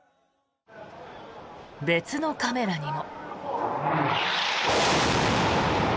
別のカメラにも。